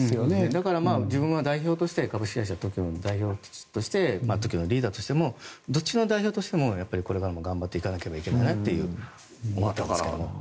だから、自分は代表として株式会社ＴＯＫＩＯの代表としてＴＯＫＩＯのリーダーとしてもどっちの代表としてもこれからも頑張っていかなければならないなと思っていますけど。